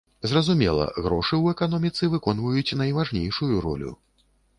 Зразумела, грошы ў эканоміцы выконваюць найважнейшую ролю.